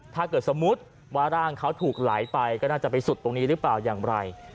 ถ้าเกิดสมมุติว่าร่างเขาถูกไหลไปก็น่าจะไปสุดตรงนี้หรือเปล่าอย่างไร